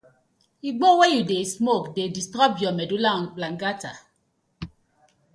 Igbo wey yu dey smoke dey disturb yah medulla oblongata.